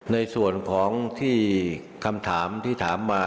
ในส่วนของที่คำถามที่ถามมา